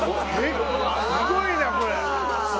すごいなこれ。